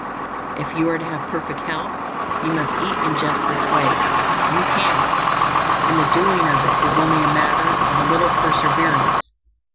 If you are to have perfect health, you MUST eat in just this way; you can, and the doing of it is only a matter of a little perseverance.